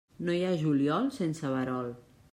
No hi ha juliol sense verol.